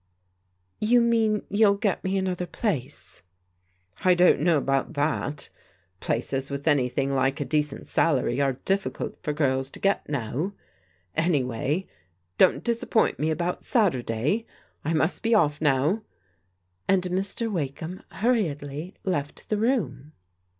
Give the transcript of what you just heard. " You mean you'll get me another place? "" I don't know about that. Places with an)rthing like a decent salary are difficult for girls to get now. Any way, don't disappoint me about Saturday. I must be oflF now," and Mr. Wakeham hurriedly left the room.